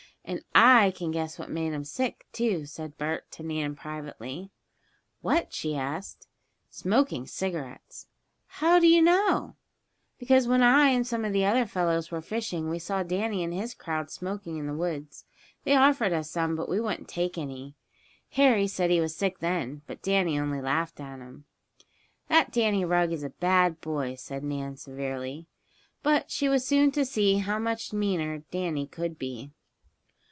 "And I can guess what made him sick too," said Bert to Nan, privately. "What?" she asked. "Smoking cigarettes." "How do you know?" "Because when I and some of the other fellows were fishing we saw Danny and his crowd smoking in the woods. They offered us some, but we wouldn't take any. Harry said he was sick then, but Danny only laughed at him." "That Danny Rugg is a bad boy," said Nan, severely. But she was soon to see how much meaner Danny could be.